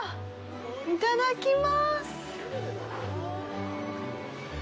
いただきます。